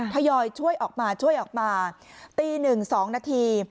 ทยอยช่วยออกมาช่วยออกมาตีหนึ่งสองนาที